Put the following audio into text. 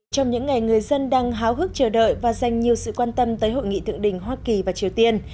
trong những ngày người dân đang háo hức chờ đợi và dành nhiều sự quan tâm tới hội nghị thượng đỉnh hoa kỳ và triều tiên